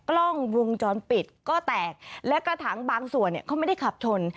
กล้องวงจรปิดก็แตกและกระถางบางส่วนเนี่ยเขาไม่ได้ขับชน